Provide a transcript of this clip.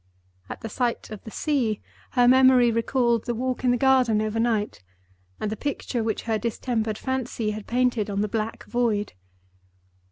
At the sight of the sea, her memory recalled the walk in the garden overnight, and the picture which her distempered fancy had painted on the black void.